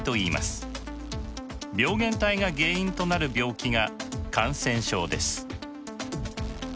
病原体が原因となる病気が感染症です。